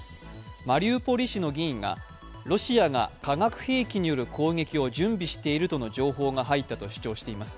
マリウポリ市の議員がロシアが化学兵器による攻撃を準備しているという情報が入ったとしています。